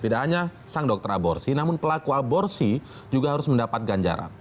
tidak hanya sang dokter aborsi namun pelaku aborsi juga harus mendapatkan jarak